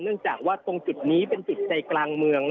เนื่องจากว่าตรงจุดนี้เป็นจุดใจกลางเมือง